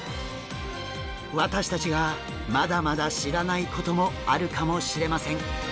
私たちがまだまだ知らないこともあるかもしれません。